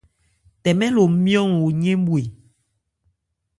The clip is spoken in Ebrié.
Tɛmɛ lo nmyɔn oyɛ́n bhwe.